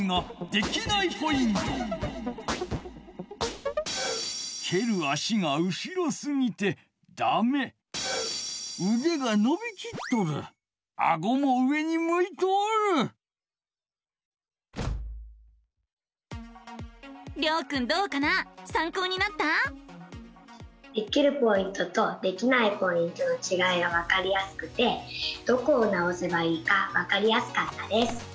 できるポイントとできないポイントのちがいが分かりやすくてどこを直せばいいか分かりやすかったです。